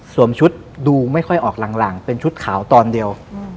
ชุดดูไม่ค่อยออกหลังเป็นชุดขาวตอนเดียว